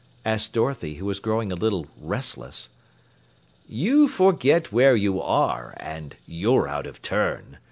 asked Dorothy, who was growing a little restless. "You forget where you are, and you're out of turn.